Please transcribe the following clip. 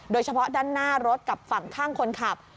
โดยเฉพาะด้านหน้ารถกับฝั่งข้างคนขับ